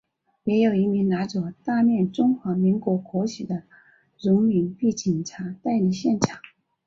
也有一名拿着大面中华民国国旗的荣民被警察带离现场。